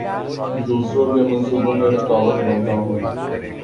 دوسروں کے منصوبوں میں رکاوٹ بنتا ہوں